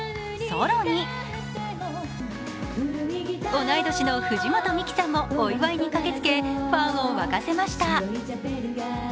更に、同い年の藤本美貴さんもお祝いに駆けつけファンを沸かせました。